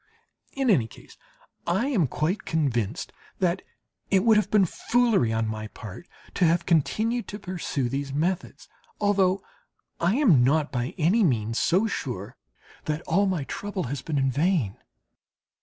In any case I am quite convinced that it would have been foolery on my part to have continued to pursue these methods although I am not by any means so sure that all my trouble has been in vain.